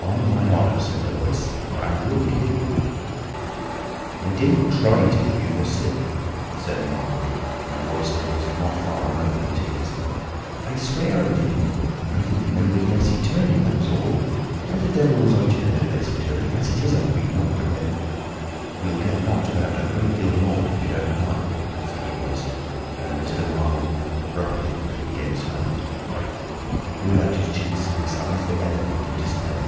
"On my honour," said the Voice, "I will kill you." "I didn't try to give you the slip," said Marvel, in a voice that was not far remote from tears. "I swear I didn't. I didn't know the blessed turning, that was all! How the devil was I to know the blessed turning? As it is, I've been knocked about—" "You'll get knocked about a great deal more if you don't mind," said the Voice, and Mr. Marvel abruptly became silent. He blew out his cheeks, and his eyes were eloquent of despair.